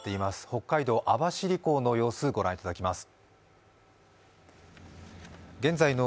北海道網走港の様子御覧いただきます。